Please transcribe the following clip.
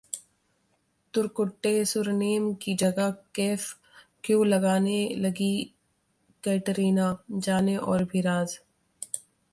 तुरकुट्टे surname की जगह कैफ क्यों लगाने लगीं कैटरीना? जानें और भी राज